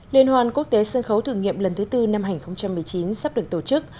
liên hoan quốc tế sân khấu thử nghiệm lần thứ tư năm hai nghìn một mươi chín sắp được tổ chức